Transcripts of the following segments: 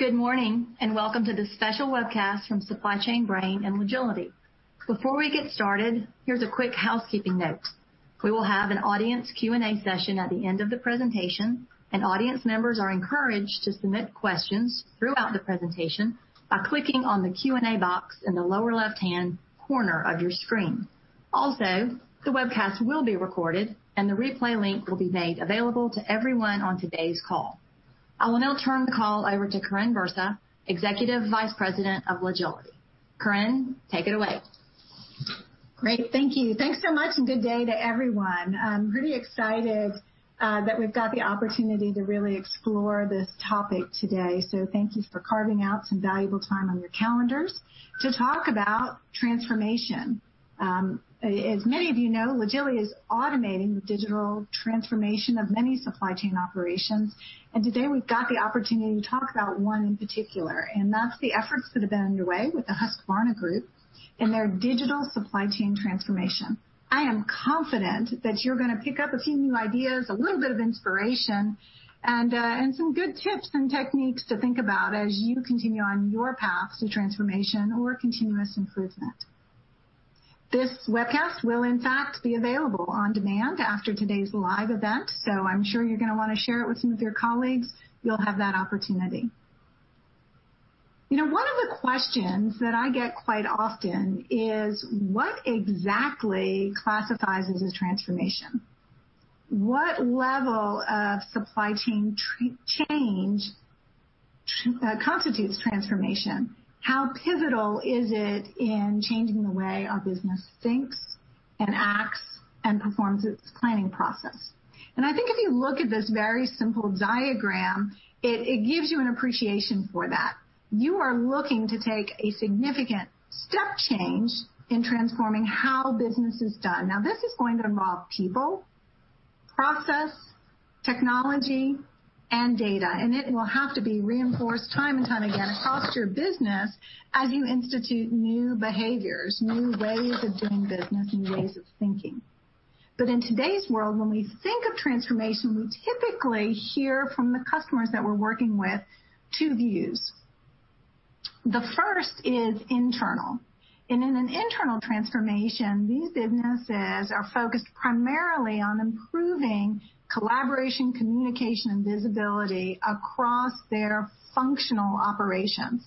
Good morning, welcome to this special webcast from SupplyChainBrain and Logility. Before we get started, here's a quick housekeeping note. We will have an audience Q&A session at the end of the presentation, and audience members are encouraged to submit questions throughout the presentation by clicking on the Q&A box in the lower left-hand corner of your screen. Also, the webcast will be recorded, and the replay link will be made available to everyone on today's call. I will now turn the call over to Karin Bursa, Executive Vice President of Logility. Karin, take it away. Great. Thank you. Thanks so much, good day to everyone. I'm pretty excited that we've got the opportunity to really explore this topic today. Thank you for carving out some valuable time on your calendars to talk about transformation. As many of you know, Logility is automating the digital transformation of many supply chain operations. Today we've got the opportunity to talk about one in particular, and that's the efforts that have been underway with the Husqvarna Group and their digital supply chain transformation. I am confident that you're going to pick up a few new ideas, a little bit of inspiration, and some good tips and techniques to think about as you continue on your path to transformation or continuous improvement. This webcast will in fact be available on demand after today's live event. I'm sure you're going to want to share it with some of your colleagues. You'll have that opportunity. One of the questions that I get quite often is what exactly classifies as a transformation? What level of supply chain change constitutes transformation? How pivotal is it in changing the way our business thinks and acts and performs its planning process? I think if you look at this very simple diagram, it gives you an appreciation for that. You are looking to take a significant step change in transforming how business is done. This is going to involve people, process, technology, and data, and it will have to be reinforced time and time again across your business as you institute new behaviors, new ways of doing business, new ways of thinking. In today's world, when we think of transformation, we typically hear from the customers that we're working with two views. The first is internal, and in an internal transformation, these businesses are focused primarily on improving collaboration, communication, and visibility across their functional operations.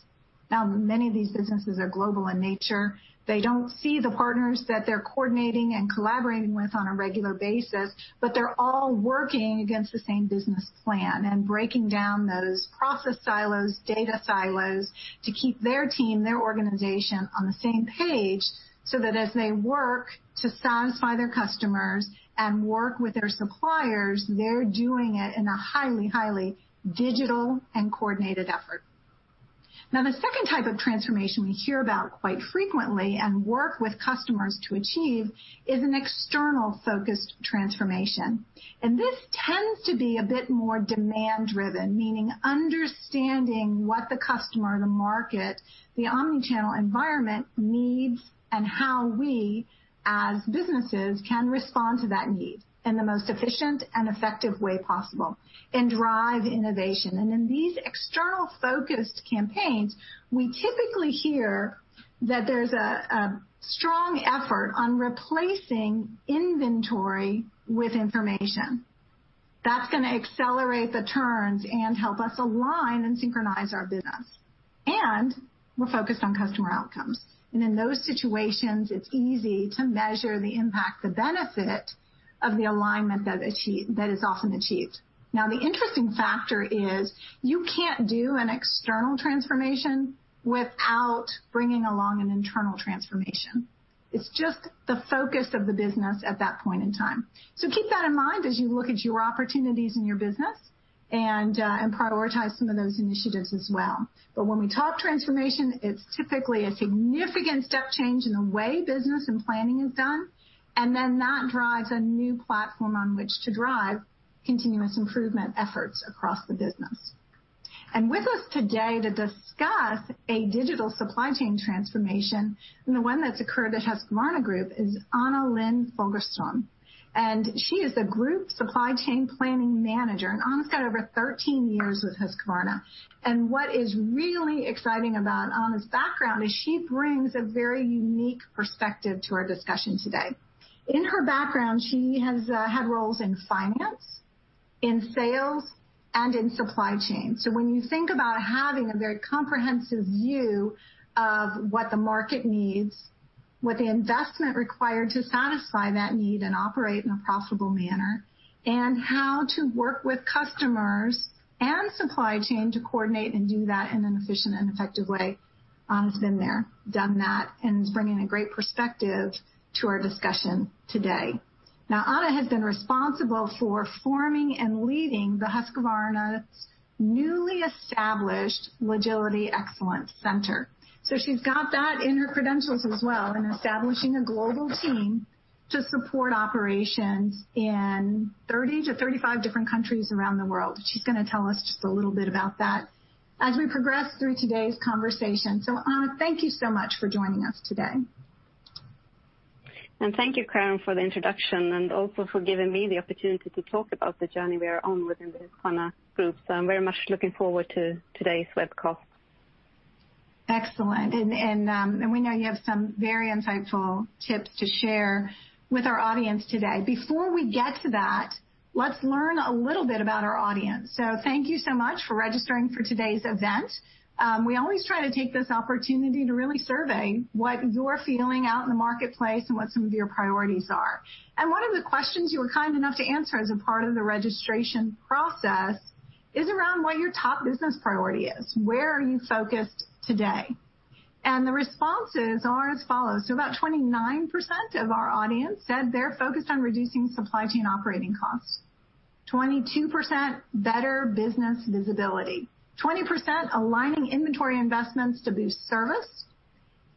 Many of these businesses are global in nature. They don't see the partners that they're coordinating and collaborating with on a regular basis, but they're all working against the same business plan and breaking down those process silos, data silos to keep their team, their organization on the same page, so that as they work to satisfy their customers and work with their suppliers, they're doing it in a highly digital and coordinated effort. The two type of transformation we hear about quite frequently and work with customers to achieve is an external-focused transformation. This tends to be a bit more demand-driven, meaning understanding what the customer, the market, the omni-channel environment needs and how we, as businesses, can respond to that need in the most efficient and effective way possible and drive innovation. In these external-focused campaigns, we typically hear that there's a strong effort on replacing inventory with information. That's going to accelerate the turns and help us align and synchronize our business. We're focused on customer outcomes. In those situations, it's easy to measure the impact, the benefit of the alignment that is often achieved. Now, the interesting factor is you can't do an external transformation without bringing along an internal transformation. It's just the focus of the business at that point in time. Keep that in mind as you look at your opportunities in your business and prioritize some of those initiatives as well. When we talk transformation, it's typically a significant step change in the way business and planning is done, and then that drives a new platform on which to drive continuous improvement efforts across the business. With us today to discuss a digital supply chain transformation, and the one that's occurred at Husqvarna Group, is Anna Lindh Fogelström. She is a Group Supply Chain Planning Manager. Anna's got over 13 years with Husqvarna. What is really exciting about Anna's background is she brings a very unique perspective to our discussion today. In her background, she has had roles in finance, in sales, and in supply chain. When you think about having a very comprehensive view of what the market needs, what the investment required to satisfy that need and operate in a profitable manner, and how to work with customers and supply chain to coordinate and do that in an efficient and effective way, Anna's been there, done that, and is bringing a great perspective to our discussion today. Anna has been responsible for forming and leading the Husqvarna's newly established Logility Excellence Center. She's got that in her credentials as well, in establishing a global team to support operations in 30-35 different countries around the world. She's going to tell us just a little bit about that as we progress through today's conversation. Anna, thank you so much for joining us today. Thank you, Karin, for the introduction and also for giving me the opportunity to talk about the journey we are on within the Husqvarna Group. I'm very much looking forward to today's web call. Excellent. We know you have some very insightful tips to share with our audience today. Before we get to that, let's learn a little bit about our audience. Thank you so much for registering for today's event. We always try to take this opportunity to really survey what you're feeling out in the marketplace and what some of your priorities are. One of the questions you were kind enough to answer as a part of the registration process is around what your top business priority is. Where are you focused today? The responses are as follows. About 29% of our audience said they're focused on reducing supply chain operating costs, 22% better business visibility, 20% aligning inventory investments to boost service,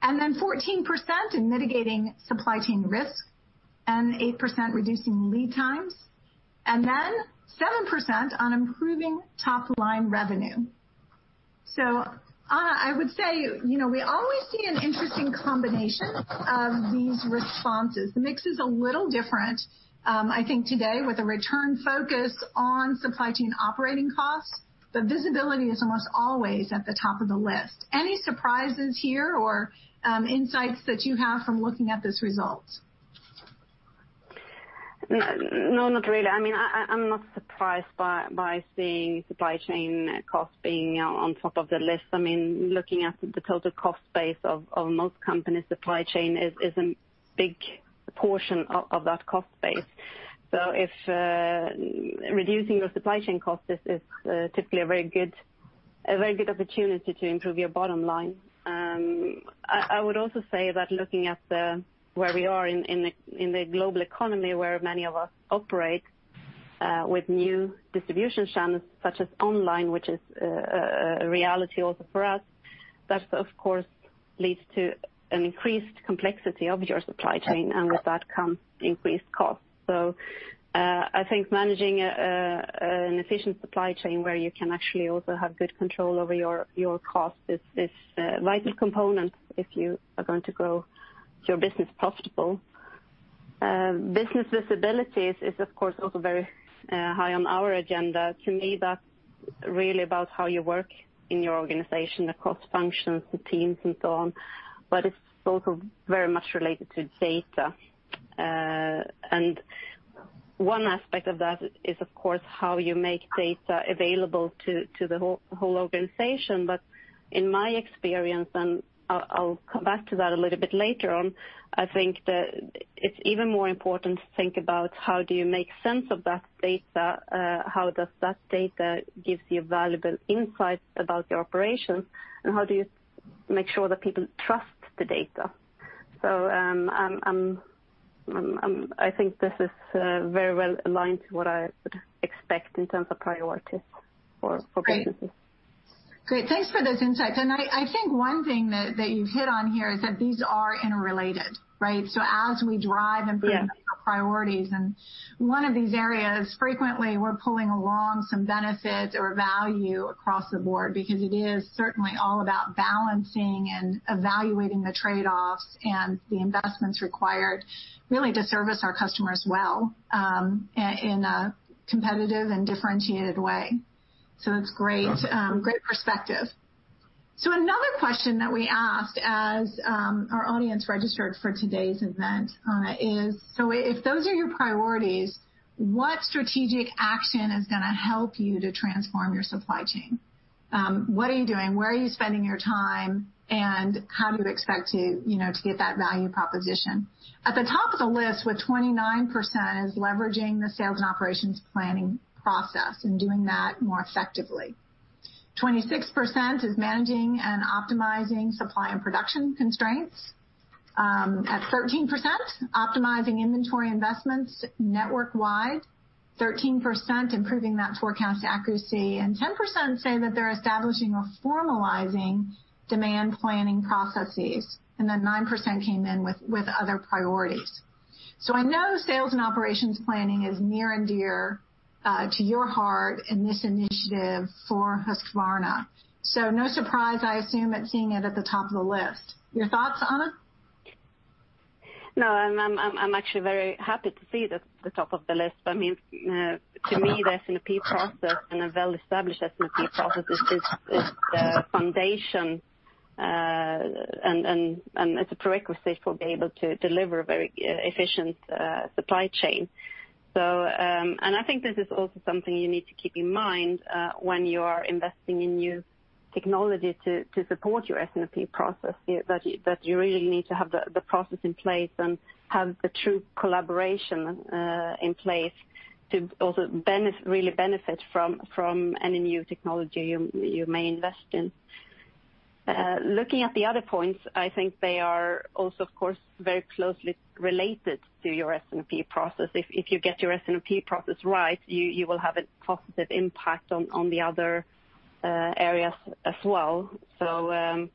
and then 14% in mitigating supply chain risk, and 8% reducing lead times, and then 7% on improving top-line revenue. Anna, I would say, we always see an interesting combination of these responses. The mix is a little different, I think today with a return focus on supply chain operating costs, but visibility is almost always at the top of the list. Any surprises here or insights that you have from looking at this result? No, not really. I'm not surprised by seeing supply chain cost being on top of the list. Looking at the total cost base of most companies, supply chain is a big portion of that cost base. Reducing your supply chain cost is typically a very good opportunity to improve your bottom line. I would also say that looking at where we are in the global economy, where many of us operate, with new distribution channels, such as online, which is a reality also for us, that of course, leads to an increased complexity of your supply chain, and with that comes increased cost. I think managing an efficient supply chain where you can actually also have good control over your cost is a vital component if you are going to grow your business profitable. Business visibility is, of course, also very high on our agenda. To me, that's really about how you work in your organization across functions and teams and so on. It's also very much related to data. One aspect of that is, of course, how you make data available to the whole organization. In my experience, and I'll come back to that a little bit later on, I think that it's even more important to think about how do you make sense of that data? How does that data give you valuable insights about your operations, and how do you make sure that people trust the data? I think this is very well aligned to what I would expect in terms of priorities for businesses. Great. Thanks for those insights. I think one thing that you've hit on here is that these are interrelated, right? As we drive. Yeah. Put priorities in one of these areas, frequently, we're pulling along some benefits or value across the board because it is certainly all about balancing and evaluating the trade-offs and the investments required, really to service our customers well, in a competitive and differentiated way. That's great perspective. Another question that we asked as our audience registered for today's event, Anna, is, so if those are your priorities, what strategic action is going to help you to transform your supply chain? What are you doing? Where are you spending your time, and how do you expect to get that value proposition? At the top of the list with 29% is leveraging the Sales and Operations Planning process and doing that more effectively. 26% is managing and optimizing supply and production constraints. At 13%, optimizing inventory investments network-wide, 13% improving that forecast accuracy, and 10% say that they're establishing or formalizing demand planning processes. Then 9% came in with other priorities. I know Sales and Operations Planning is near and dear to your heart and this initiative for Husqvarna. No surprise, I assume, at seeing it at the top of the list. Your thoughts, Anna? No, I'm actually very happy to see it at the top of the list. To me, the S&OP process and a well-established S&OP process is the foundation, and it's a prerequisite for being able to deliver a very efficient supply chain. I think this is also something you need to keep in mind, when you are investing in new technology to support your S&OP process. That you really need to have the process in place and have the true collaboration in place to also really benefit from any new technology you may invest in. Looking at the other points, I think they are also, of course, very closely related to your S&OP process. If you get your S&OP process right, you will have a positive impact on the other areas as well. The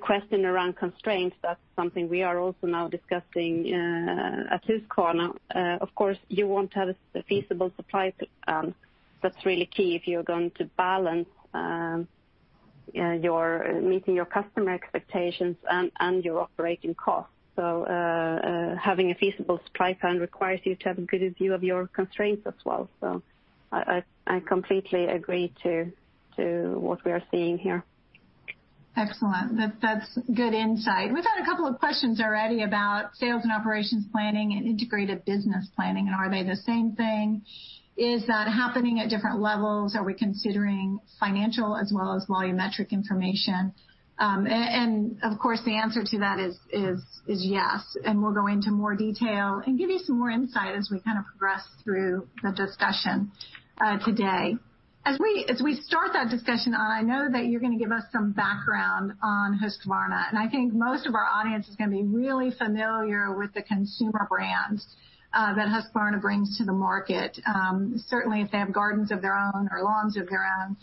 question around constraints, that's something we are also now discussing at Husqvarna. Of course, you won't have a feasible supply plan. That's really key if you're going to balance. You're meeting your customer expectations and your operating costs. Having a feasible supply plan requires you to have a good view of your constraints as well. I completely agree to what we are seeing here. Excellent. That's good insight. We've had a couple of questions already about Sales and Operations Planning and integrated business planning. Are they the same thing? Is that happening at different levels? Are we considering financial as well as volumetric information? Of course, the answer to that is yes. We'll go into more detail and give you some more insight as we progress through the discussion today. As we start that discussion, Anna, I know that you're going to give us some background on Husqvarna, and I think most of our audience is going to be really familiar with the consumer brands that Husqvarna brings to the market. Certainly, if they have gardens of their own or lawns of their own,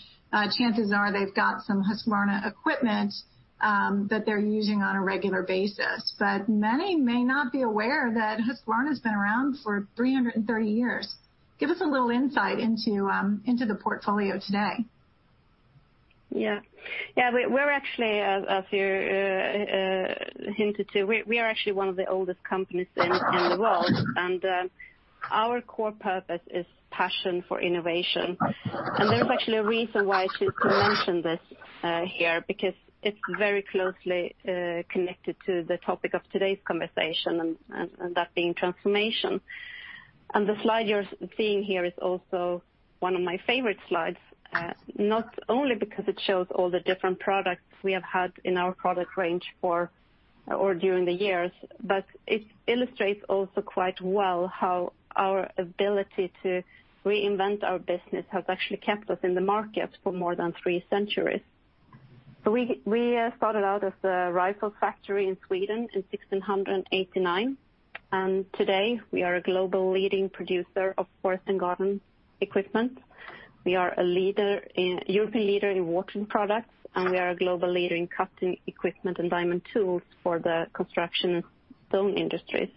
chances are they've got some Husqvarna equipment that they're using on a regular basis. Many may not be aware that Husqvarna's been around for 330 years. Give us a little insight into the portfolio today. Yeah. As you hinted to, we are actually one of the oldest companies in the world. Our core purpose is passion for innovation. There's actually a reason why we mentioned this here, because it's very closely connected to the topic of today's conversation, and that being transformation. The slide you're seeing here is also one of my favorite slides, not only because it shows all the different products we have had in our product range during the years, but it illustrates also quite well how our ability to reinvent our business has actually kept us in the market for more than three centuries. We started out as a rifle factory in Sweden in 1689. Today we are a global leading producer of forest and garden equipment. We are a European leader in watering products, and we are a global leader in cutting equipment and diamond tools for the construction and stone industries.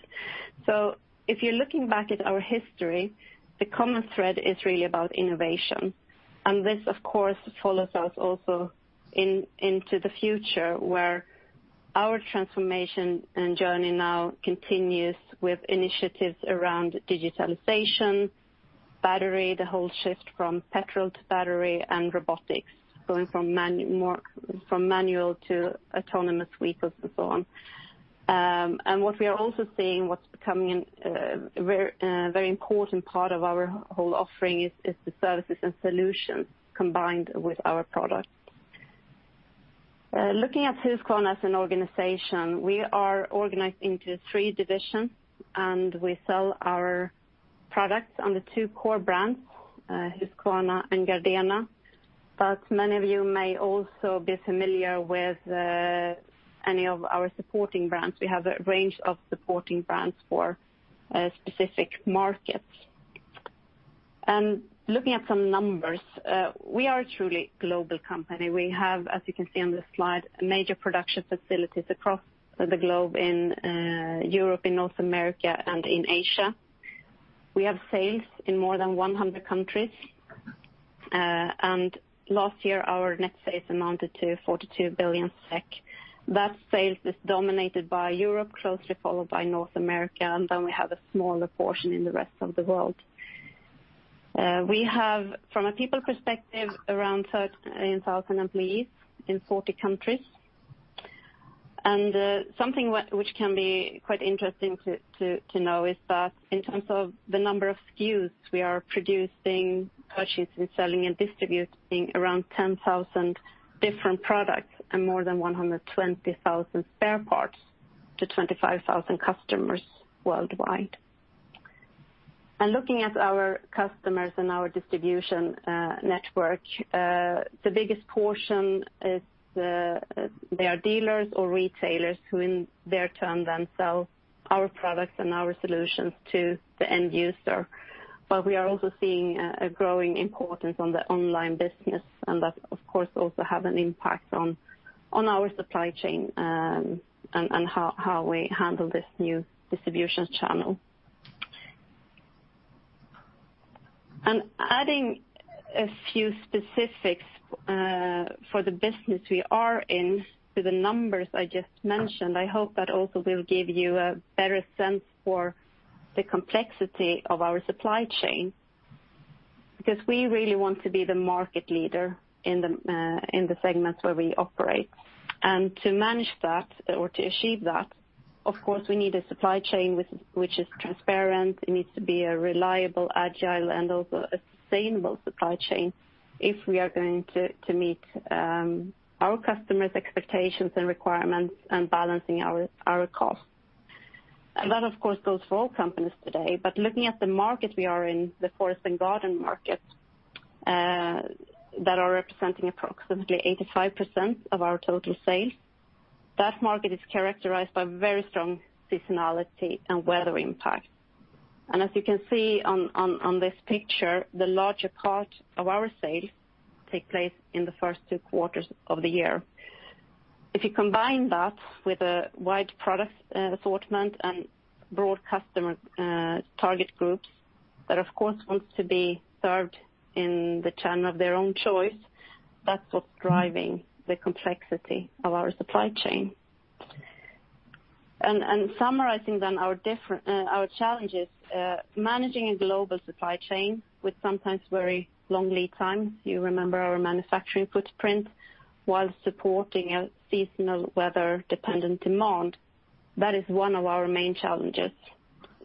If you're looking back at our history, the common thread is really about innovation. This, of course, follows us also into the future, where our transformation and journey now continues with initiatives around digitalization, battery, the whole shift from petrol to battery, and robotics. Going from manual to autonomous mowers and so on. What we are also seeing, what's becoming a very important part of our whole offering, is the services and solutions combined with our products. Looking at Husqvarna as an organization, we are organized into three divisions, and we sell our products under two core brands, Husqvarna and Gardena. Many of you may also be familiar with any of our supporting brands. We have a range of supporting brands for specific markets. Looking at some numbers, we are a truly global company. We have, as you can see on the slide, major production facilities across the globe in Europe, in North America, and in Asia. We have sales in more than 100 countries. Last year, our net sales amounted to 42 billion SEK. That sales is dominated by Europe, closely followed by North America, and then we have a smaller portion in the rest of the world. We have, from a people perspective, around 13,000 employees in 40 countries. Something which can be quite interesting to know is that in terms of the number of SKUs we are producing, purchasing, selling, and distributing around 10,000 different products and more than 120,000 spare parts to 25,000 customers worldwide. Looking at our customers and our distribution network, the biggest portion is they are dealers or retailers who in their turn then sell our products and our solutions to the end user. We are also seeing a growing importance on the online business, and that of course, also have an impact on our supply chain and how we handle this new distribution channel. Adding a few specifics for the business we are in to the numbers I just mentioned, I hope that also will give you a better sense for the complexity of our supply chain. Because we really want to be the market leader in the segments where we operate. To manage that or to achieve that, of course, we need a supply chain which is transparent. It needs to be a reliable, agile, and also a sustainable supply chain if we are going to meet our customers' expectations and requirements and balancing our costs. That, of course, goes for all companies today. Looking at the market we are in, the forest and garden market, that are representing approximately 85% of our total sales. That market is characterized by very strong seasonality and weather impact. As you can see on this picture, the larger part of our sales take place in the first two quarters of the year. If you combine that with a wide product assortment and broad customer target groups that, of course, want to be served in the channel of their own choice, that's what's driving the complexity of our supply chain. Summarizing our challenges, managing a global supply chain with sometimes very long lead times, you remember our manufacturing footprint, while supporting a seasonal weather-dependent demand. That is one of our main challenges,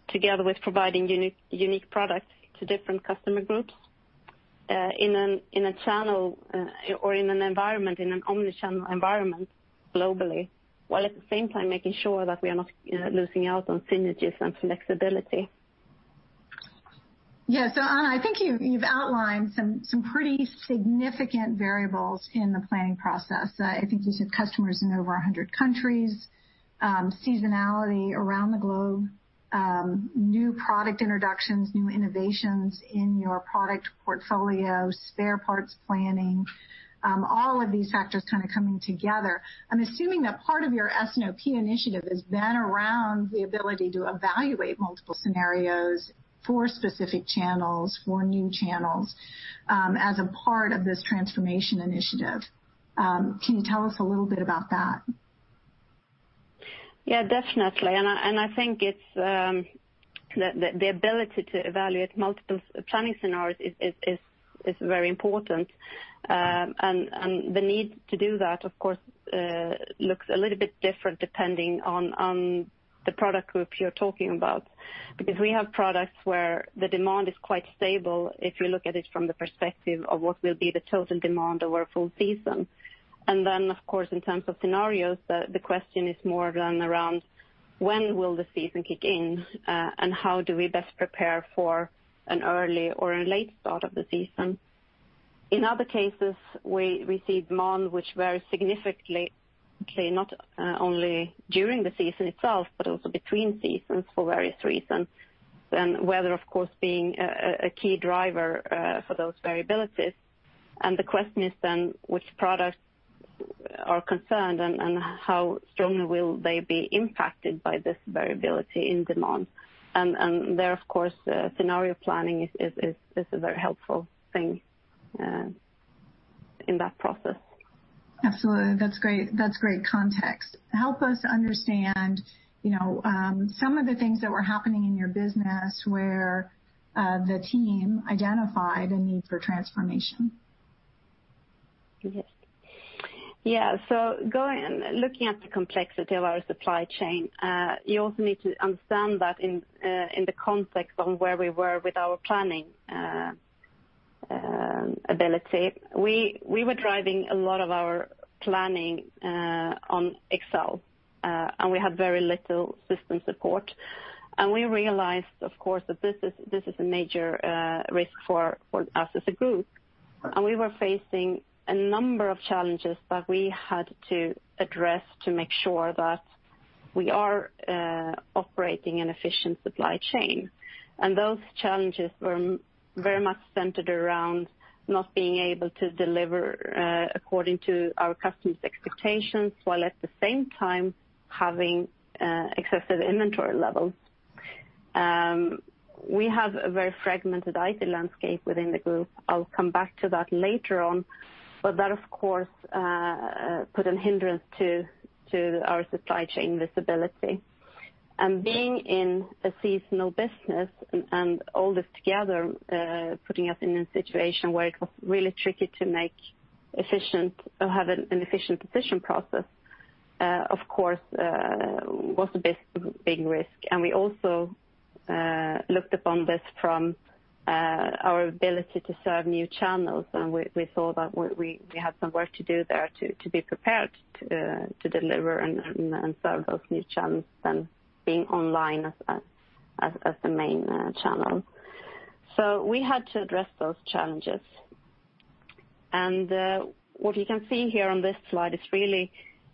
together with providing unique products to different customer groups in a channel or in an environment, in an omni-channel environment globally, while at the same time making sure that we are not losing out on synergies and flexibility. Yeah. Anna, I think you've outlined some pretty significant variables in the planning process. I think you said customers in over 100 countries, seasonality around the globe, new product introductions, new innovations in your product portfolio, spare parts planning, all of these factors kind of coming together. I'm assuming that part of your S&OP initiative has been around the ability to evaluate multiple scenarios for specific channels, for new channels, as a part of this transformation initiative. Can you tell us a little bit about that? Yeah, definitely. I think it's the ability to evaluate multiple planning scenarios is very important. The need to do that, of course, looks a little bit different depending on the product group you're talking about. Because we have products where the demand is quite stable if you look at it from the perspective of what will be the total demand over a full season. Of course, in terms of scenarios, the question is more then around when will the season kick in? How do we best prepare for an early or a late start of the season? In other cases, we see demand which varies significantly, not only during the season itself, but also between seasons for various reasons. Weather, of course, being a key driver for those variabilities. The question is then which products are concerned and how strongly will they be impacted by this variability in demand? There, of course, scenario planning is a very helpful thing in that process. Absolutely. That's great context. Help us understand some of the things that were happening in your business where the team identified a need for transformation. Yes. Yeah, looking at the complexity of our supply chain, you also need to understand that in the context of where we were with our planning ability. We were driving a lot of our planning on Excel, and we had very little system support. We realized, of course, that this is a major risk for us as a Group. Right. We were facing a number of challenges that we had to address to make sure that we are operating an efficient supply chain. Those challenges were very much centered around not being able to deliver according to our customers' expectations, while at the same time having excessive inventory levels. We have a very fragmented IT landscape within the group. I'll come back to that later on, but that, of course, put a hindrance to our supply chain visibility. Being in a seasonal business and all this together, putting us in a situation where it was really tricky to have an efficient decision process, of course, was a big risk. We also looked upon this from our ability to serve new channels, and we saw that we had some work to do there to be prepared to deliver and serve those new channels than being online as the main channel. We had to address those challenges. What you can see here on this slide is really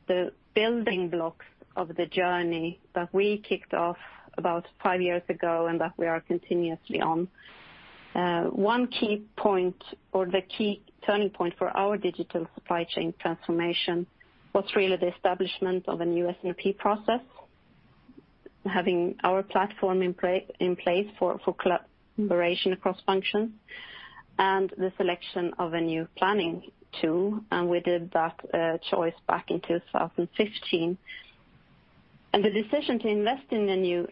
the building blocks of the journey that we kicked off about five years ago and that we are continuously on. One key point or the key turning point for our digital supply chain transformation was really the establishment of a new S&OP process. Having our platform in place for collaboration across functions and the selection of a new planning tool, and we did that choice back in 2015. The decision to invest in a new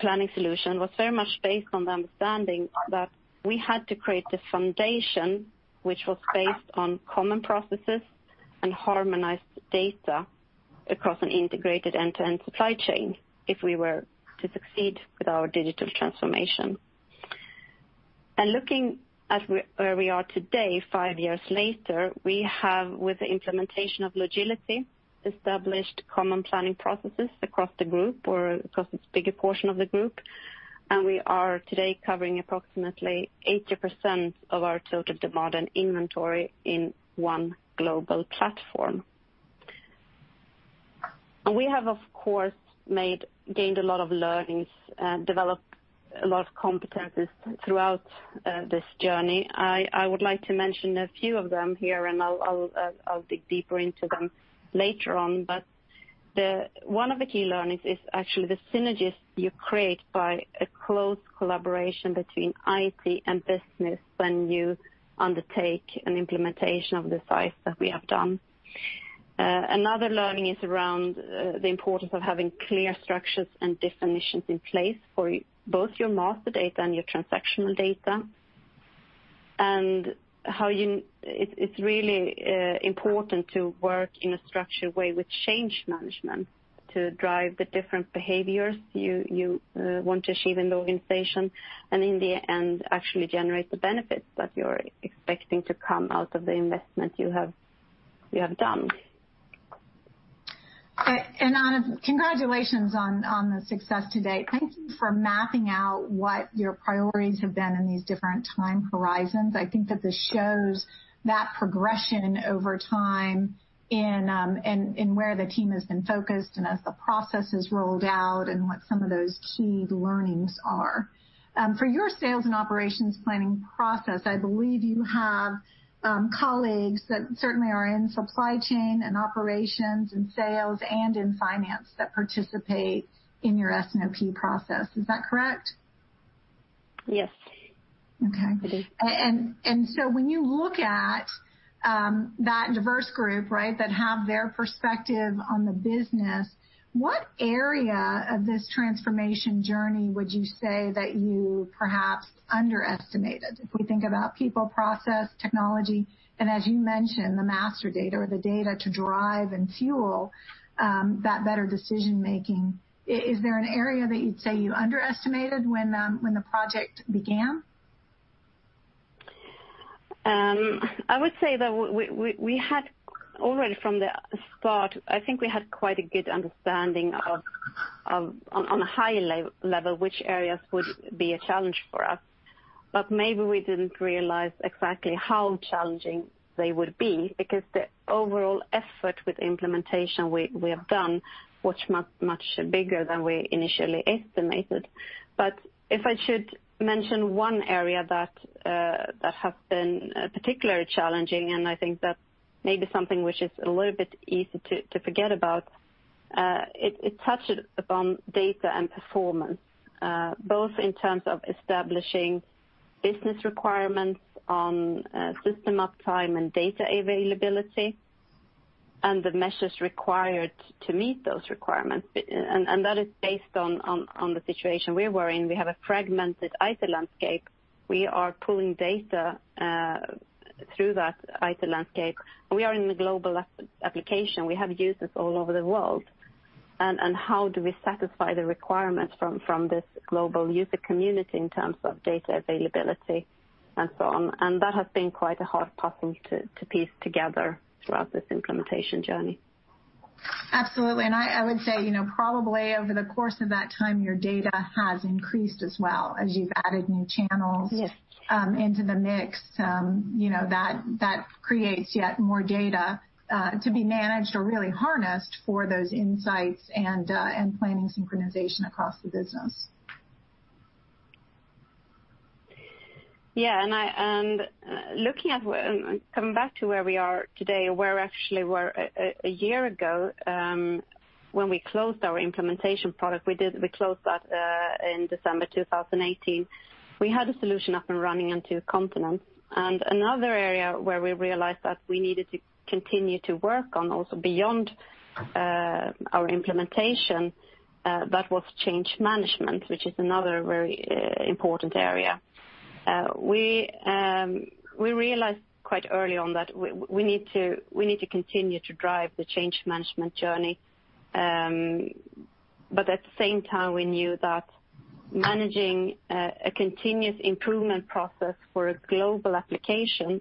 planning solution was very much based on the understanding that we had to create the foundation, which was based on common processes and harmonized data across an integrated end-to-end supply chain if we were to succeed with our digital transformation. Looking at where we are today, five years later, we have, with the implementation of Logility, established common planning processes across the group or across this bigger portion of the group. We are today covering approximately 80% of our total demand and inventory in one global platform. We have, of course, gained a lot of learnings, developed a lot of competencies throughout this journey. I would like to mention a few of them here, and I'll dig deeper into them later on. One of the key learnings is actually the synergies you create by a close collaboration between IT and business when you undertake an implementation of the size that we have done. Another learning is around the importance of having clear structures and definitions in place for both your master data and your transactional data, and how it's really important to work in a structured way with change management to drive the different behaviors you want to achieve in the organization. In the end, actually generate the benefits that you're expecting to come out of the investment you have done. Congratulations on the success to date. Thank you for mapping out what your priorities have been in these different time horizons. I think that this shows that progression over time in where the team has been focused and as the process is rolled out and what some of those key learnings are. For your Sales and Operations Planning process, I believe you have colleagues that certainly are in supply chain and operations and sales and in finance that participate in your S&OP process. Is that correct? Yes. Okay. It is. When you look at that diverse group, right, that have their perspective on the business, what area of this transformation journey would you say that you perhaps underestimated? If we think about people, process, technology, and as you mentioned, the master data or the data to drive and fuel that better decision-making. Is there an area that you'd say you underestimated when the project began? I would say that we had already from the start, I think we had quite a good understanding of on a high level, which areas would be a challenge for us. Maybe we didn't realize exactly how challenging they would be because the overall effort with implementation we have done was much, much bigger than we initially estimated. If I should mention one area that has been particularly challenging, and I think that's maybe something which is a little bit easy to forget about. It touches upon data and performance, both in terms of establishing business requirements on system uptime and data availability, and the measures required to meet those requirements. That is based on the situation we are in. We have a fragmented IT landscape. We are pulling data through that IT landscape. We are in a global application. We have users all over the world. How do we satisfy the requirements from this global user community in terms of data availability and so on. That has been quite a hard puzzle to piece together throughout this implementation journey. Absolutely. I would say, probably over the course of that time, your data has increased as well as you've added new channels. Yes. Into the mix. That creates yet more data to be managed or really harnessed for those insights and planning synchronization across the business. Yeah. Coming back to where we are today, where actually were a year ago, when we closed our implementation product, we closed that in December 2018. We had a solution up and running on two continents. Another area where we realized that we needed to continue to work on also beyond our implementation, that was change management, which is another very important area. We realized quite early on that we need to continue to drive the change management journey. At the same time, we knew that managing a continuous improvement process for a global application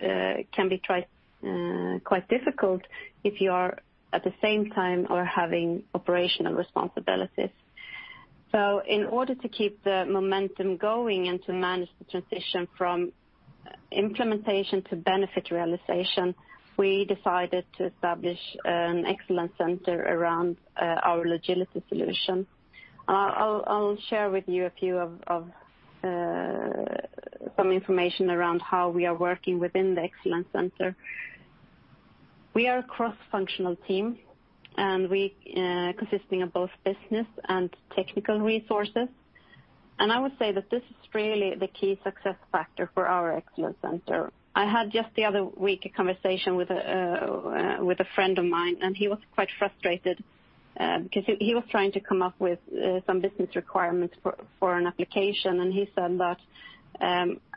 can be quite difficult if you are at the same time having operational responsibilities. In order to keep the momentum going and to manage the transition from implementation to benefit realization, we decided to establish an excellence center around our Logility solution. I'll share with you a few of some information around how we are working within the Excellence Center. We are a cross-functional team, and we consisting of both business and technical resources. I would say that this is really the key success factor for our Excellence Center. I had just the other week a conversation with a friend of mine, and he was quite frustrated because he was trying to come up with some business requirements for an application. He said that,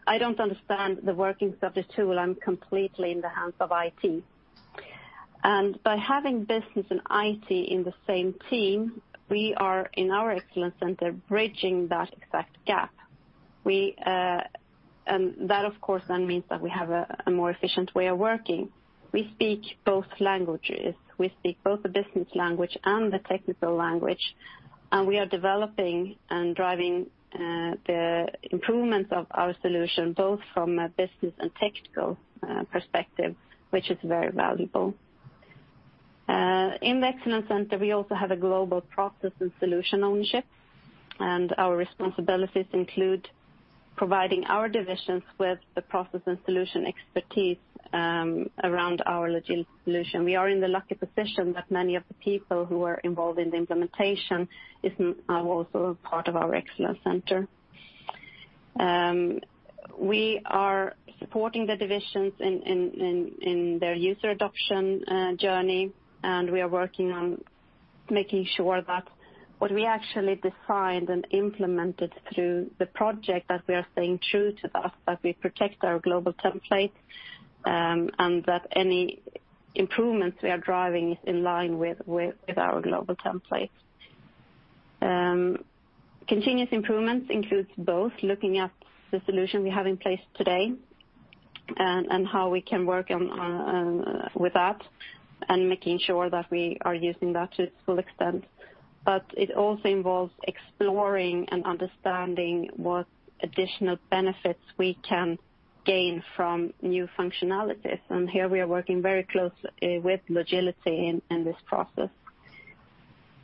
"I don't understand the workings of the tool. I'm completely in the hands of IT." By having business and IT in the same team, we are in our Excellence Center, bridging that exact gap. That, of course, then means that we have a more efficient way of working. We speak both languages. We speak both the business language and the technical language. We are developing and driving the improvements of our solution, both from a business and technical perspective, which is very valuable. In the Excellence Center, we also have a global process and solution ownership, and our responsibilities include providing our divisions with the process and solution expertise around our Logility solution. We are in the lucky position that many of the people who are involved in the implementation are also part of our Excellence Center. We are supporting the divisions in their user adoption journey, and we are working on making sure that what we actually defined and implemented through the project, that we are staying true to that we protect our global template, and that any improvements we are driving is in line with our global template. Continuous improvements includes both looking at the solution we have in place today and how we can work with that and making sure that we are using that to its full extent. It also involves exploring and understanding what additional benefits we can gain from new functionalities. Here we are working very closely with Logility in this process.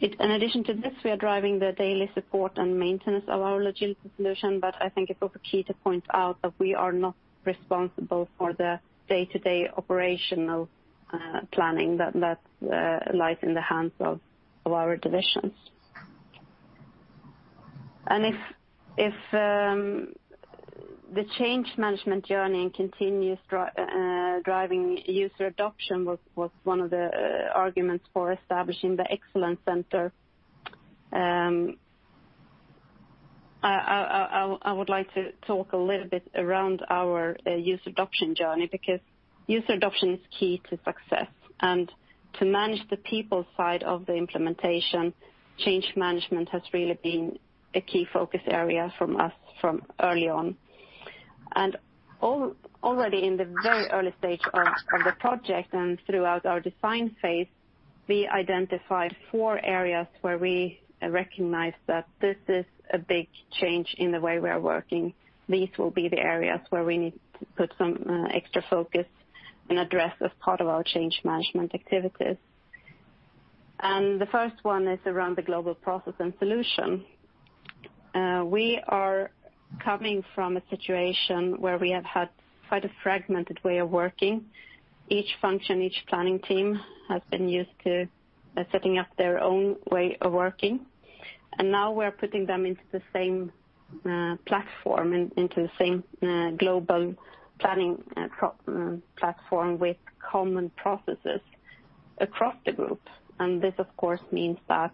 In addition to this, we are driving the daily support and maintenance of our Logility solution, but I think it's also key to point out that we are not responsible for the day-to-day operational planning. That lies in the hands of our divisions. If the change management journey and continuous driving user adoption was one of the arguments for establishing the excellence center, I would like to talk a little bit around our user adoption journey, because user adoption is key to success. To manage the people side of the implementation, change management has really been a key focus area from us from early on. Already in the very early stage of the project and throughout our design phase, we identified four areas where we recognized that this is a big change in the way we are working. These will be the areas where we need to put some extra focus and address as part of our change management activities. The first one is around the global process and solution. We are coming from a situation where we have had quite a fragmented way of working. Each function, each planning team, has been used to setting up their own way of working, and now we're putting them into the same platform and into the same global planning platform with common processes across the group. This, of course, means that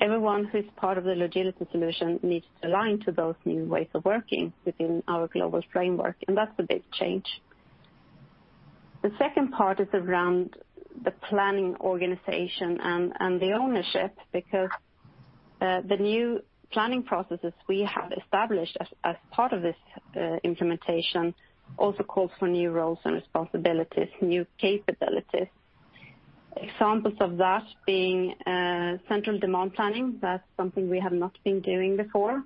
everyone who's part of the Logility solution needs to align to those new ways of working within our global framework, and that's a big change. The second part is around the planning organization and the ownership because the new planning processes we have established as part of this implementation also calls for new roles and responsibilities, new capabilities. Examples of that being central demand planning. That's something we have not been doing before.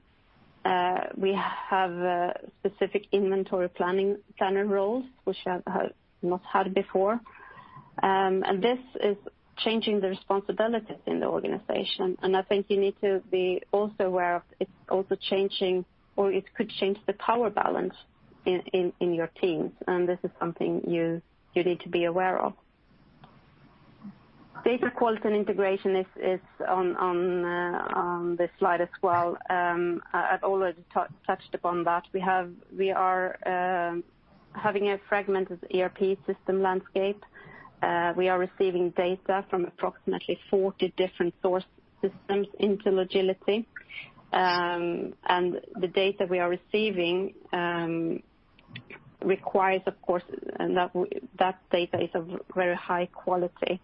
We have specific inventory planning planner roles, which I have not had before. This is changing the responsibilities in the organization. I think you need to be also aware of it's also changing, or it could change the power balance in your teams. This is something you need to be aware of. Data quality and integration is on this slide as well. I've already touched upon that. We are having a fragmented ERP system landscape. We are receiving data from approximately 40 different source systems into Logility. The data we are receiving requires, of course, and that data is of very high quality.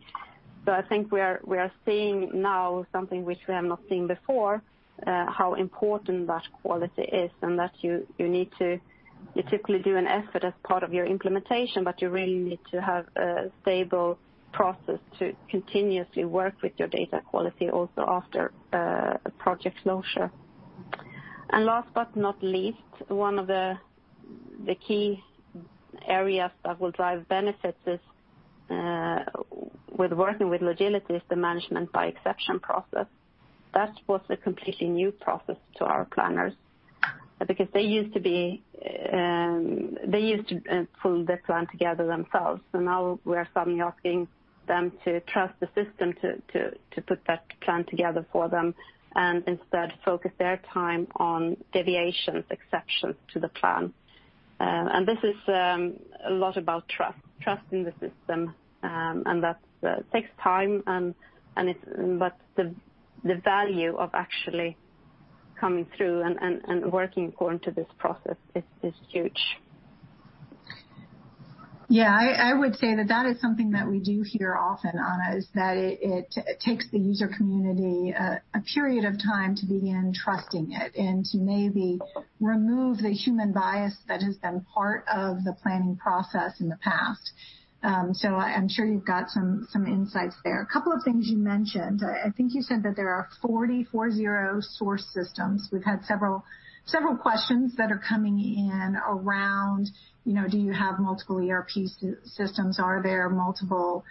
I think we are seeing now something which we have not seen before, how important that quality is, and that you need to particularly do an effort as part of your implementation, but you really need to have a stable process to continuously work with your data quality also after a project closure. Last but not least, one of the key areas that will drive benefits is with working with Logility is the management by exception process. That was a completely new process to our planners because they used to pull the plan together themselves. Now we're suddenly asking them to trust the system to put that plan together for them and instead focus their time on deviations, exceptions to the plan. This is a lot about trust. Trust in the system, and that takes time, but the value of actually coming through and working according to this process is huge. I would say that that is something that we do hear often, Anna, is that it takes the user community a period of time to begin trusting it and to maybe remove the human bias that has been part of the planning process in the past. I'm sure you've got some insights there. A couple of things you mentioned. I think you said that there are 40 source systems. We've had several questions that are coming in around, do you have multiple ERP systems? Are there multiple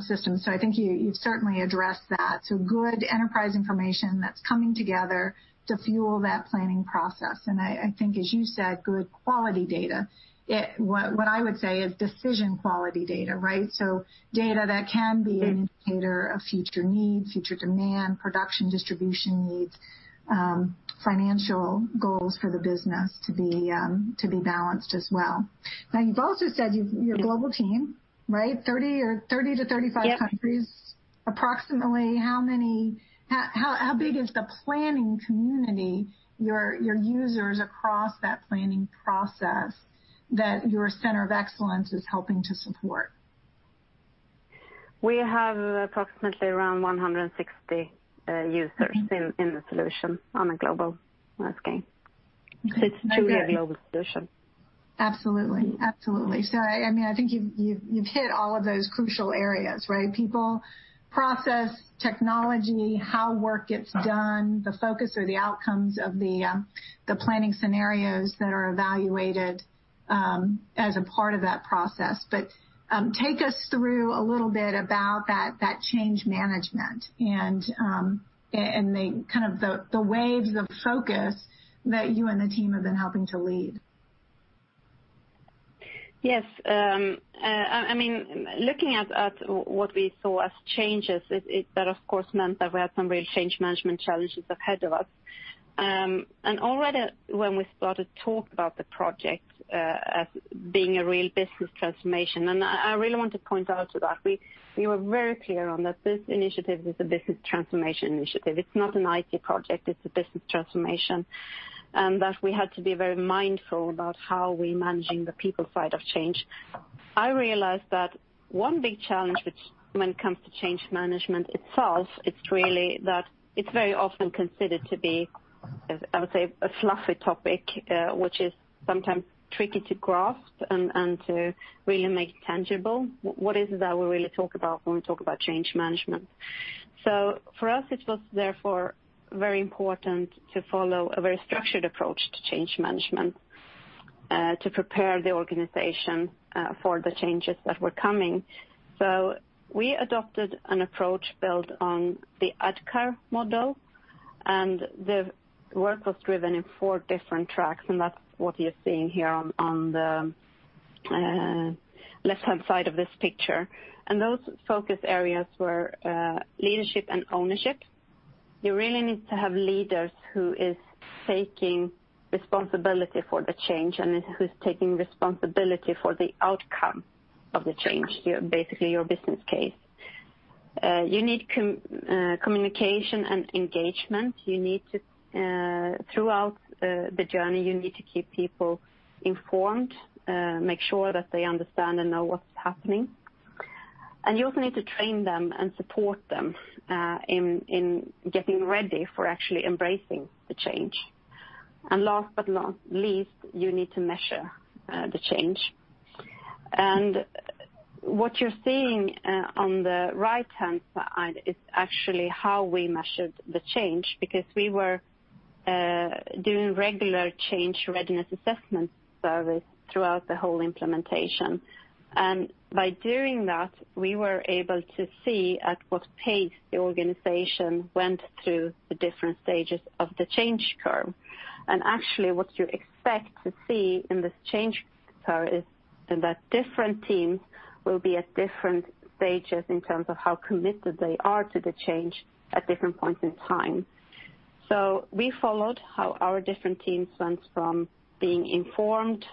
systems? I think you've certainly addressed that. Good enterprise information that's coming together to fuel that planning process. I think, as you said, good quality data. What I would say is decision quality data, right? Data that can be an indicator of future needs, future demand, production, distribution needs, financial goals for the business to be balanced as well. You've also said your global team, right? 30 to 35 countries. Yep. Approximately how big is the planning community, your users across that planning process that your center of excellence is helping to support? We have approximately around 160 users in the solution on a global scale. Okay. I hear. It's truly a global solution. Absolutely. I think you've hit all of those crucial areas, right? People, process, technology, how work gets done, the focus or the outcomes of the planning scenarios that are evaluated as a part of that process. Take us through a little bit about that change management and the waves of focus that you and the team have been helping to lead. Yes. Looking at what we saw as changes, that of course meant that we had some real change management challenges ahead of us. Already when we started talk about the project as being a real business transformation, and I really want to point out to that. We were very clear on that this initiative is a business transformation initiative. It's not an IT project, it's a business transformation, and that we had to be very mindful about how we're managing the people side of change. I realized that one big challenge, when it comes to change management itself, it's really that it's very often considered to be, I would say, a fluffy topic, which is sometimes tricky to grasp and to really make tangible. What is it that we really talk about when we talk about change management? For us, it was therefore very important to follow a very structured approach to change management, to prepare the organization for the changes that were coming. We adopted an approach built on the ADKAR model, and the work was driven in four different tracks, and that's what you're seeing here on the left-hand side of this picture. Those focus areas were leadership and ownership. You really need to have leaders who is taking responsibility for the change and who's taking responsibility for the outcome of the change, basically your business case. You need communication and engagement. Throughout the journey, you need to keep people informed, make sure that they understand and know what's happening. You also need to train them and support them in getting ready for actually embracing the change. Last but not least, you need to measure the change. What you're seeing on the right-hand side is actually how we measured the change, because we were doing regular change readiness assessment surveys throughout the whole implementation. By doing that, we were able to see at what pace the organization went through the different stages of the change curve. Actually, what you expect to see in this change curve is that different teams will be at different stages in terms of how committed they are to the change at different points in time. We followed how our different teams went from being informed,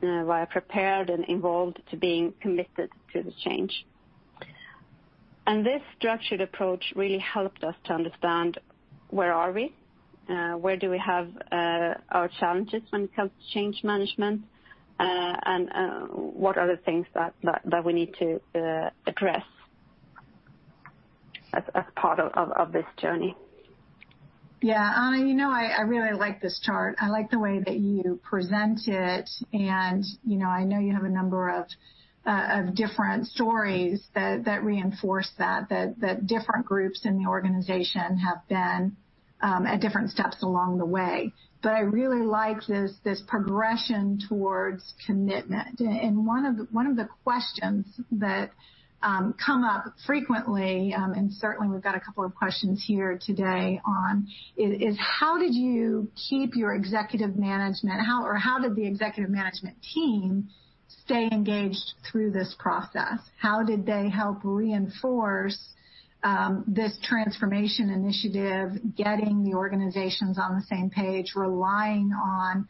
via prepared and involved, to being committed to the change. This structured approach really helped us to understand. Where are we, where do we have our challenges when it comes to change management, and what are the things that we need to address as part of this journey. Yeah. Anna, I really like this chart. I like the way that you present it. I know you have a number of different stories that reinforce that different groups in the organization have been at different steps along the way. I really like this progression towards commitment. One of the questions that come up frequently, and certainly we've got a couple of questions here today on, is how did you keep your executive management, or how did the executive management team stay engaged through this process? How did they help reinforce this transformation initiative, getting the organizations on the same page, relying on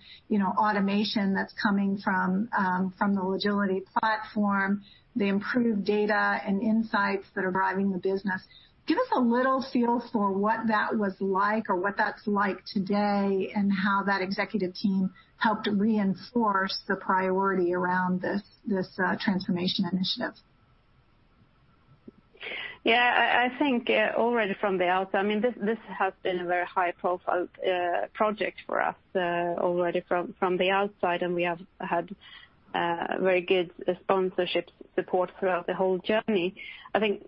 automation that's coming from the Logility platform, the improved data and insights that are driving the business? Give us a little feel for what that was like or what that's like today and how that executive team helped reinforce the priority around this transformation initiative. Yeah, I think already from the outside, this has been a very high-profile project for us already from the outside, and we have had very good sponsorship support throughout the whole journey. I think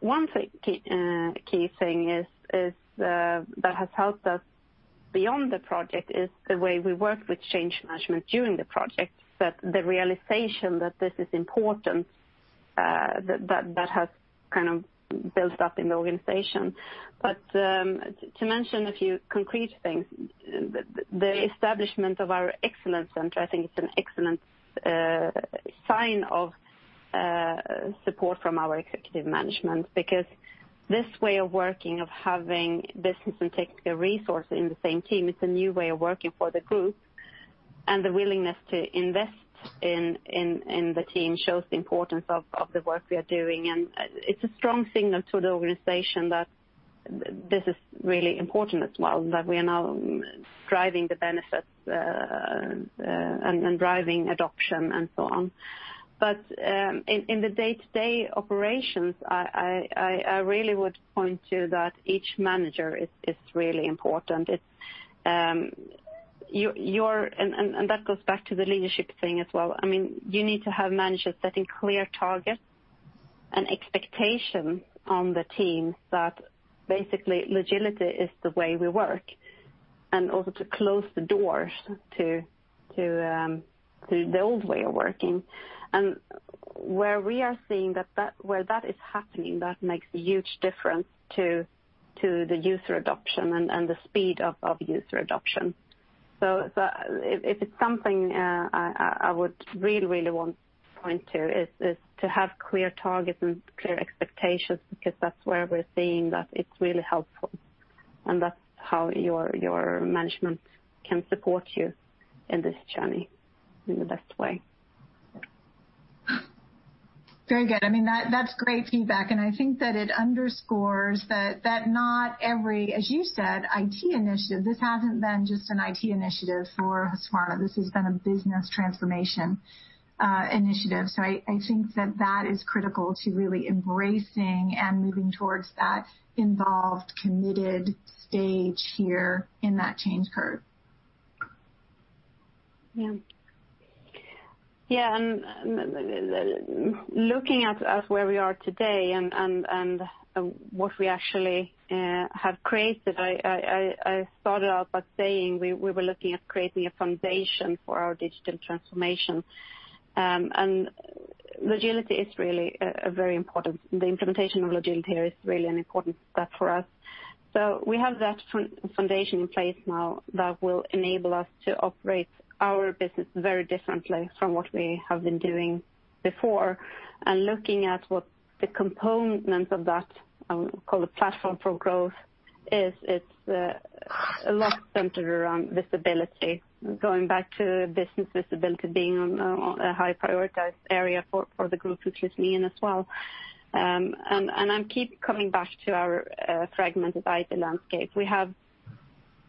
one key thing is that has helped us beyond the project is the way we work with change management during the project, that the realization that this is important, that has kind of built up in the organization. To mention a few concrete things, the establishment of our Excellence Center, I think is an excellent sign of support from our executive management, because this way of working, of having business and technical resources in the same team, is a new way of working for the group. The willingness to invest in the team shows the importance of the work we are doing. It's a strong signal to the organization that this is really important as well, that we are now driving the benefits and driving adoption and so on. In the day-to-day operations, I really would point to that each manager is really important. That goes back to the leadership thing as well. You need to have managers setting clear targets and expectations on the team that basically Logility is the way we work, and also to close the doors to the old way of working. Where we are seeing where that is happening, that makes a huge difference to the user adoption and the speed of user adoption. If it's something I would really, really want to point to is to have clear targets and clear expectations, because that's where we're seeing that it's really helpful, and that's how your management can support you in this journey in the best way. Very good. That's great feedback. I think that it underscores that not every, as you said, IT initiative, this hasn't been just an IT initiative for Husqvarna. This has been a business transformation initiative. I think that is critical to really embracing and moving towards that involved, committed stage here in that change curve. Yeah. Looking at us where we are today and what we actually have created, I started out by saying we were looking at creating a foundation for our digital transformation. Logility is really very important. The implementation of Logility here is really an important step for us. We have that foundation in place now that will enable us to operate our business very differently from what we have been doing before. Looking at what the components of that, call it platform for growth, is it's a lot centered around visibility. Going back to business visibility being a high prioritized area for the group, which is me as well. I keep coming back to our fragmented IT landscape. We have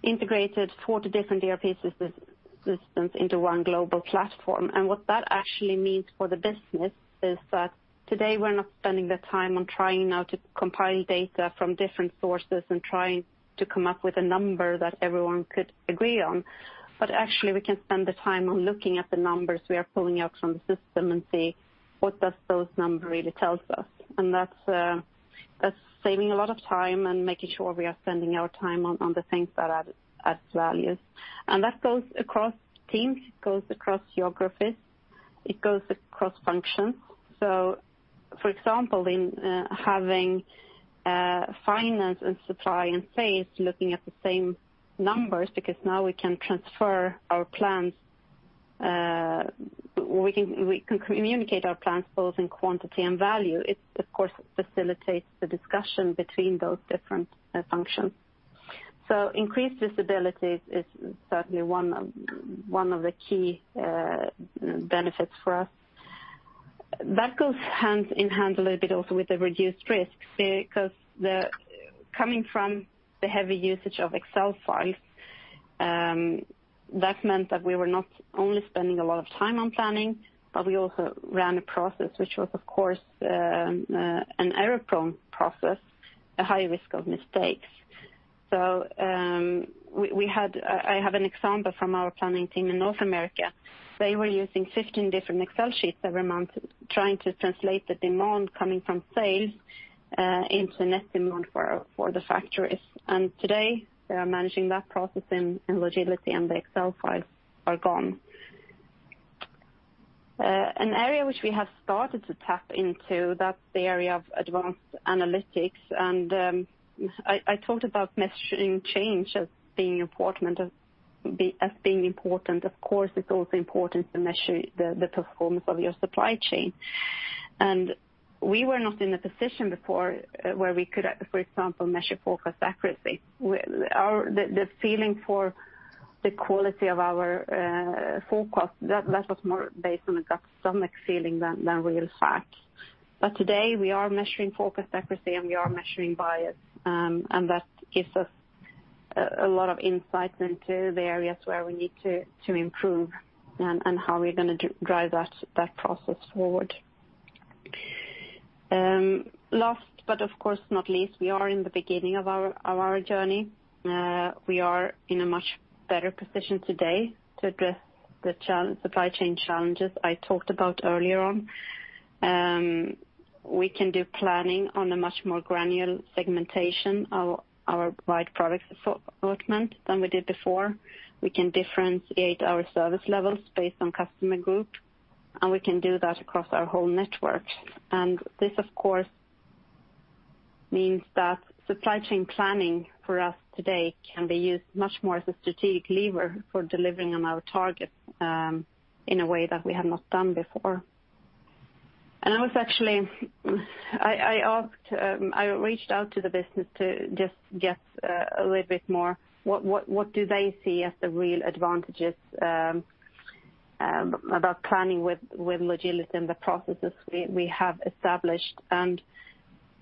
integrated 40 different ERP systems into one global platform. What that actually means for the business is that today we're not spending the time on trying now to compile data from different sources and trying to come up with a number that everyone could agree on. Actually, we can spend the time on looking at the numbers we are pulling out from the system and see what does those numbers really tell us. That's saving a lot of time and making sure we are spending our time on the things that adds value. That goes across teams, it goes across geographies, it goes across functions. For example, in having finance and supply and sales looking at the same numbers, because now we can transfer our plans, we can communicate our plans both in quantity and value. It, of course, facilitates the discussion between those different functions. Increased visibility is certainly one of the key benefits for us. That goes hand in hand a little bit also with the reduced risks, because coming from the heavy usage of Excel files, that meant that we were not only spending a lot of time on planning, but we also ran a process which was, of course, an error-prone process, a high risk of mistakes. I have an example from our planning team in North America. They were using 15 different Excel sheets every month trying to translate the demand coming from sales into net demand for the factories. Today, they are managing that process in Logility, and the Excel files are gone. An area which we have started to tap into, that's the area of advanced analytics. I talked about measuring change as being important. It's also important to measure the performance of your supply chain. We were not in a position before where we could, for example, measure forecast accuracy. The feeling for the quality of our forecast, that was more based on a gut stomach feeling than real facts. Today, we are measuring forecast accuracy, and we are measuring bias, and that gives us a lot of insights into the areas where we need to improve and how we're going to drive that process forward. Last, but of course not least, we are in the beginning of our journey. We are in a much better position today to address the supply chain challenges I talked about earlier on. We can do planning on a much more granular segmentation of our wide product assortment than we did before. We can differentiate our service levels based on customer group. We can do that across our whole network. This, of course, means that supply chain planning for us today can be used much more as a strategic lever for delivering on our targets in a way that we have not done before. I reached out to the business to just get a little bit more, what do they see as the real advantages about planning with Logility and the processes we have established.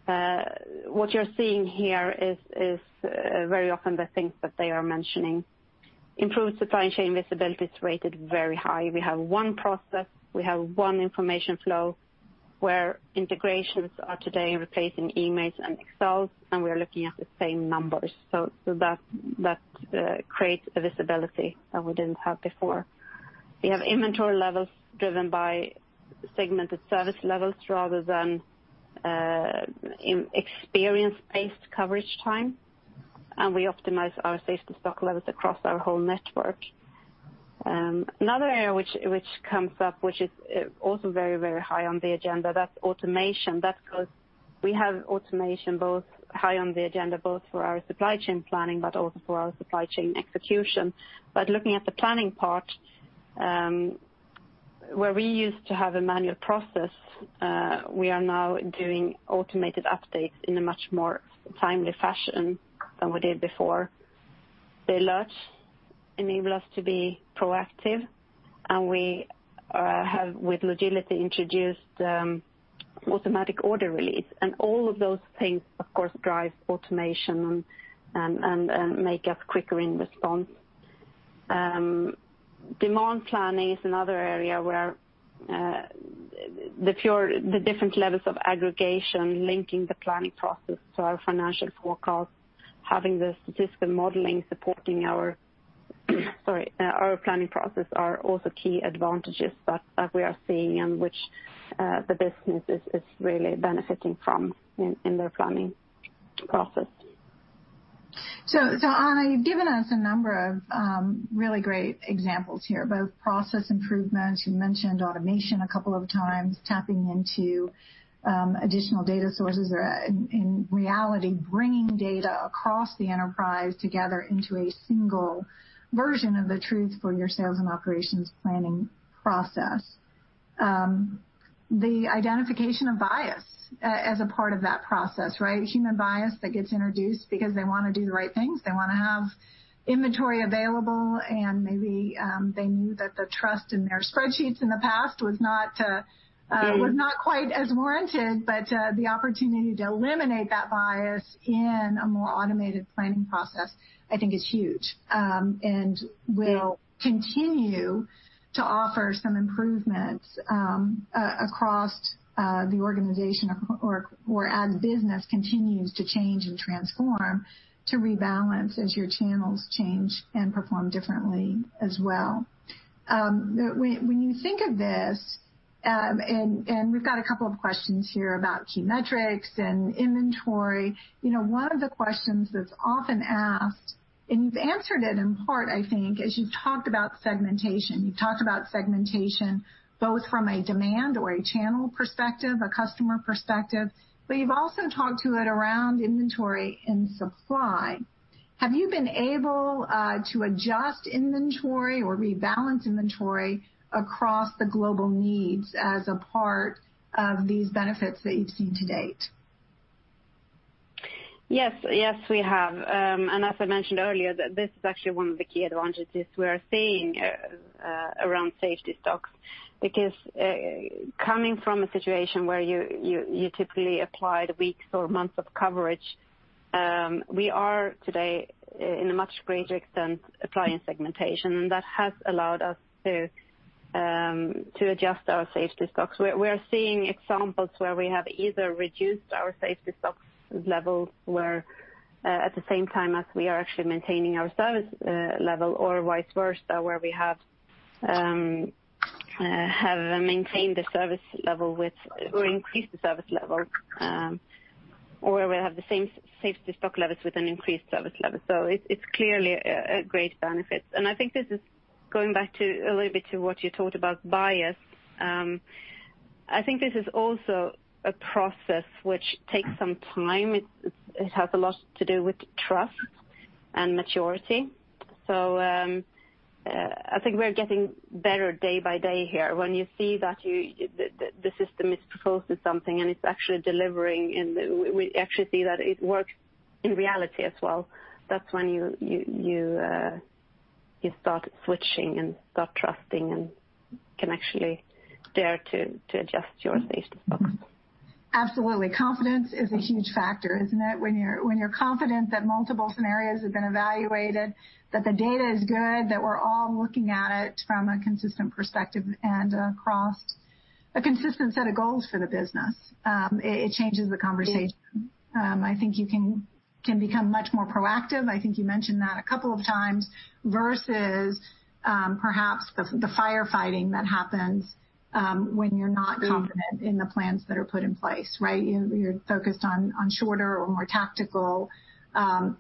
What you're seeing here is very often the things that they are mentioning. Improved supply chain visibility is rated very high. We have one process, we have one information flow where integrations are today replacing emails and Excel, and we are looking at the same numbers. That creates a visibility that we didn't have before. We have inventory levels driven by segmented service levels rather than experience-based coverage time, and we optimize our safety stock levels across our whole network. Another area which comes up, which is also very, very high on the agenda, that's automation. That's because we have automation high on the agenda, both for our supply chain planning, but also for our supply chain execution. Looking at the planning part, where we used to have a manual process, we are now doing automated updates in a much more timely fashion than we did before. The alerts enable us to be proactive, and we have, with Logility, introduced automatic order release. All of those things, of course, drive automation and make us quicker in response. Demand planning is another area where the different levels of aggregation linking the planning process to our financial forecast, having the statistical modeling supporting our planning process are also key advantages that we are seeing and which the business is really benefiting from in their planning process. Annie, you've given us a number of really great examples here, both process improvements. You mentioned automation a couple of times, tapping into additional data sources, or in reality, bringing data across the enterprise together into a single version of the truth for your Sales and Operations Planning process. The identification of bias as a part of that process, right? Human bias that gets introduced because they want to do the right things. They want to have inventory available, and maybe they knew that the trust in their spreadsheets in the past was not quite as warranted. The opportunity to eliminate that bias in a more automated planning process, I think is huge. Yeah. Will continue to offer some improvements across the organization or as business continues to change and transform, to rebalance as your channels change and perform differently as well. When you think of this, and we've got a couple of questions here about key metrics and inventory. One of the questions that's often asked, and you've answered it in part, I think, as you've talked about segmentation. You've talked about segmentation, both from a demand or a channel perspective, a customer perspective, but you've also talked to it around inventory and supply. Have you been able to adjust inventory or rebalance inventory across the global needs as a part of these benefits that you've seen to date? Yes, we have. As I mentioned earlier, this is actually one of the key advantages we are seeing around safety stocks because coming from a situation where you typically apply the weeks or months of coverage, we are today in a much greater extent applying segmentation, and that has allowed us to adjust our safety stocks. We're seeing examples where we have either reduced our safety stock levels at the same time as we are actually maintaining our service level or vice versa, where we have maintained the service level or increased the service level, or we have the same safety stock levels with an increased service level. It's clearly a great benefit. I think this is going back a little bit to what you talked about, bias. I think this is also a process which takes some time. It has a lot to do with trust and maturity. I think we're getting better day by day here. When you see that the system is proposed to something and it's actually delivering, and we actually see that it works in reality as well. That's when you start switching and start trusting and can actually dare to adjust your safety stocks. Absolutely. Confidence is a huge factor, isn't it? When you're confident that multiple scenarios have been evaluated, that the data is good, that we're all looking at it from a consistent perspective and across a consistent set of goals for the business. It changes the conversation. I think you can become much more proactive, I think you mentioned that a couple of times, versus perhaps the firefighting that happens when you're not confident in the plans that are put in place, right? You're focused on shorter or more tactical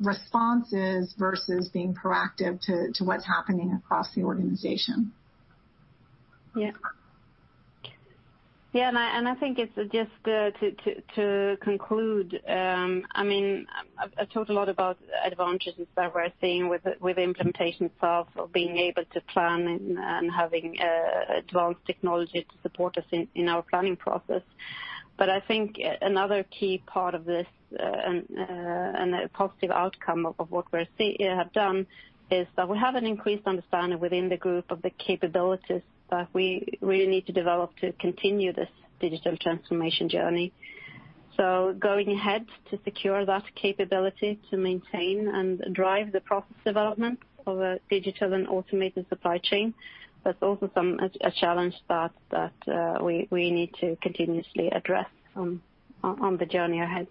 responses versus being proactive to what's happening across the organization. Yeah. I think it's just to conclude, I talked a lot about advantages that we're seeing with implementation itself, of being able to plan and having advanced technology to support us in our planning process. I think another key part of this and a positive outcome of what we have done is that we have an increased understanding within the group of the capabilities that we really need to develop to continue this digital transformation journey. Going ahead to secure that capability to maintain and drive the process development of a digital and automated supply chain, that's also a challenge that we need to continuously address on the journey ahead.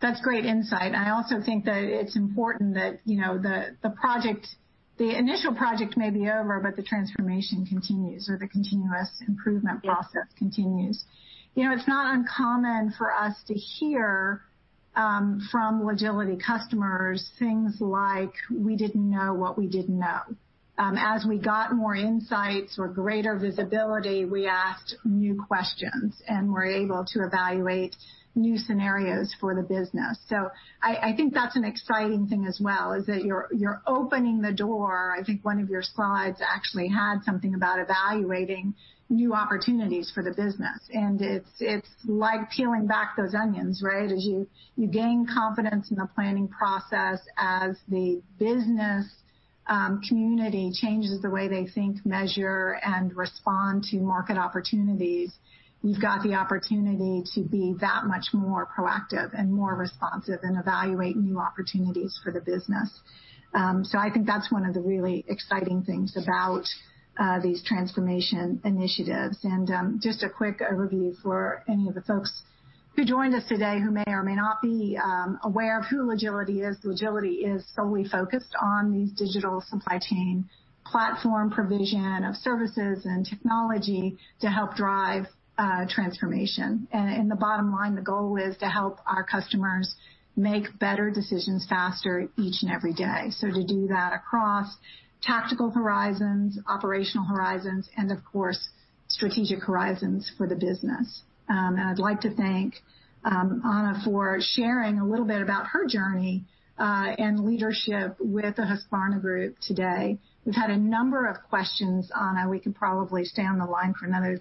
That's great insight. I also think that it's important that the initial project may be over, but the transformation continues or the continuous improvement process continues. It's not uncommon for us to hear from Logility customers things like, "We didn't know what we didn't know. As we got more insights or greater visibility, we asked new questions, and we're able to evaluate new scenarios for the business." I think that's an exciting thing as well, is that you're opening the door. I think one of your slides actually had something about evaluating new opportunities for the business, and it's like peeling back those onions, right? As you gain confidence in the planning process, as the business community changes the way they think, measure, and respond to market opportunities, you've got the opportunity to be that much more proactive and more responsive and evaluate new opportunities for the business. I think that's one of the really exciting things about these transformation initiatives. Just a quick overview for any of the folks who joined us today who may or may not be aware of who Logility is. Logility is solely focused on these digital supply chain platform provision of services and technology to help drive transformation. The bottom line, the goal is to help our customers make better decisions faster each and every day. To do that across tactical horizons, operational horizons, and of course, strategic horizons for the business. I'd like to thank Anna for sharing a little bit about her journey, and leadership with the Husqvarna Group today. We've had a number of questions, Anna. We could probably stay on the line for another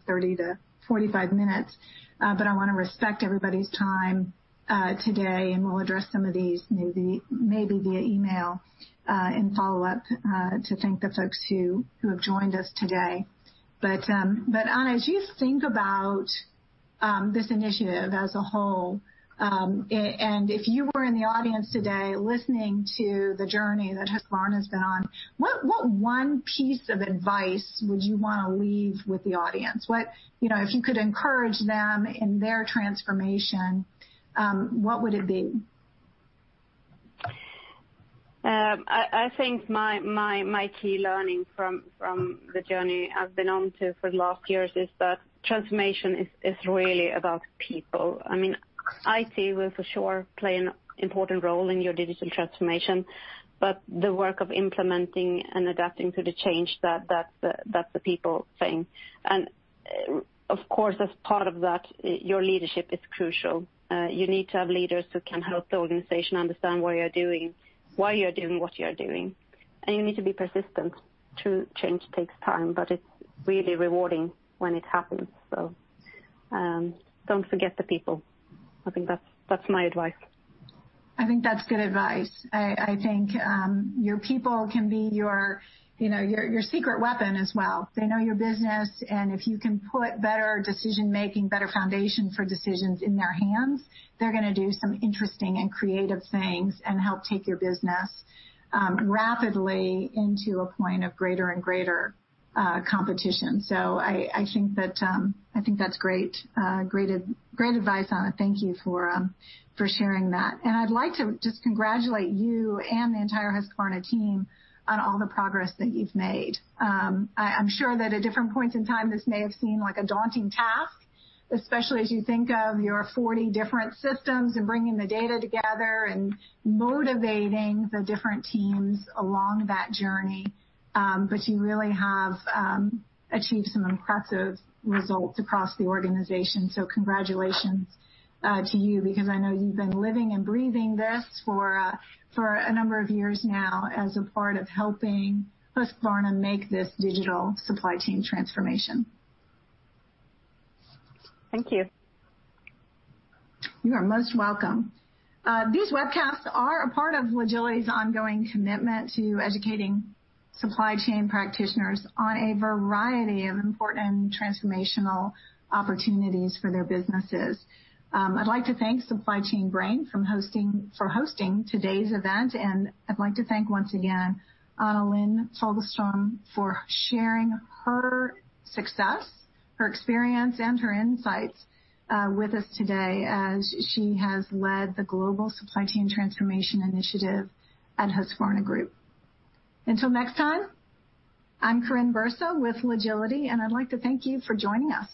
30-45 minutes. I want to respect everybody's time today, and we'll address some of these maybe via email, in follow-up, to thank the folks who have joined us today. Anna, as you think about this initiative as a whole, and if you were in the audience today listening to the journey that Husqvarna's been on, what one piece of advice would you want to leave with the audience? If you could encourage them in their transformation, what would it be? I think my key learning from the journey I've been on to for the last years is that transformation is really about people. IT will for sure play an important role in your digital transformation, but the work of implementing and adapting to the change, that's the people thing. Of course, as part of that, your leadership is crucial. You need to have leaders who can help the organization understand what you're doing, why you're doing what you're doing, and you need to be persistent. True change takes time, but it's really rewarding when it happens. Don't forget the people. I think that's my advice. I think that's good advice. I think your people can be your secret weapon as well. They know your business, and if you can put better decision-making, better foundation for decisions in their hands, they're going to do some interesting and creative things and help take your business rapidly into a point of greater and greater competition. I think that's great advice, Anna. Thank you for sharing that. I'd like to just congratulate you and the entire Husqvarna team on all the progress that you've made. I'm sure that at different points in time, this may have seemed like a daunting task, especially as you think of your 40 different systems and bringing the data together and motivating the different teams along that journey. You really have achieved some impressive results across the organization, so congratulations to you because I know you've been living and breathing this for a number of years now as a part of helping Husqvarna make this digital supply chain transformation. Thank you. You are most welcome. These webcasts are a part of Logility's ongoing commitment to educating supply chain practitioners on a variety of important transformational opportunities for their businesses. I'd like to thank SupplyChainBrain for hosting today's event, and I'd like to thank once again Anna Lindh Fogelström for sharing her success, her experience, and her insights with us today as she has led the global supply chain transformation initiative at Husqvarna Group. Until next time, I'm Karin Bursa with Logility, and I'd like to thank you for joining us.